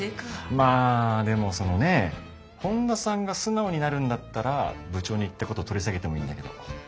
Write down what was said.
まあでもそのね本田さんが素直になるんだったら部長に言ったこと取り下げてもいいんだけど。